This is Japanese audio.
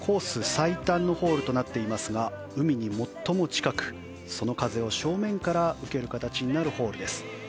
最短のホールとなっていますが海に最も近く、その風を正面から受ける形になるホール。